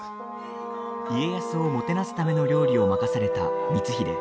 家康をもてなすための料理を任された光秀。